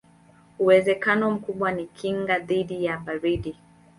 Uwezekano mkubwa ni kinga dhidi ya baridi.